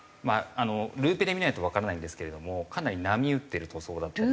ルーペで見ないとわからないんですけれどもかなり波打ってる塗装だったり。